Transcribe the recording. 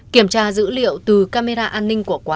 kiểm tra dữ liệu từ camera an ninh của quán